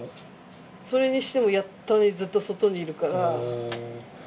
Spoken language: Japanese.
それにしてもやっぱりずっと外にいるから。